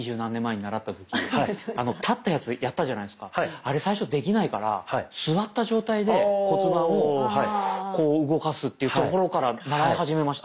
あれ最初できないから座った状態で骨盤を動かすところから習い始めました。